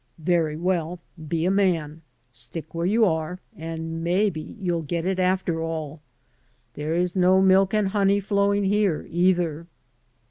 Very well, be a man; stick where you are, and maybe you'll get it, after all. There is no milk and honey flowing here, either."